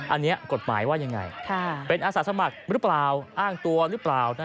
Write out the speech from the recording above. อันนี้กฎหมายว่ายังไงเป็นอาสาสมัครหรือเปล่าอ้างตัวหรือเปล่า